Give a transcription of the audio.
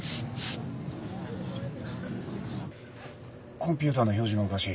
コンピューターの表示がおかしい。